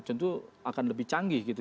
tentu akan lebih canggih gitu